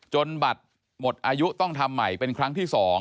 บัตรหมดอายุต้องทำใหม่เป็นครั้งที่๒